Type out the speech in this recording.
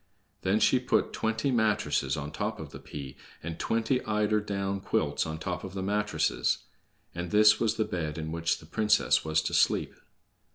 Then she put twenty mattresses on top of the pea and twenty eider down quilts on the top of the mattresses. And this was the bed in which the princess was to sleep.